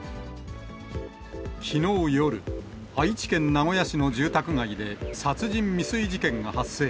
きのう夜、愛知県名古屋市の住宅街で、殺人未遂事件が発生。